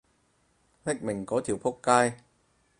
匿名嗰條僕街